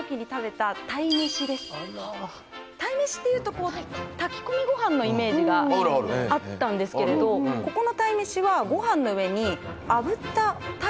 鯛めしっていうと炊き込みごはんのイメージがあったんですけれどここの鯛めしはごはんの上にあぶった鯛がのって。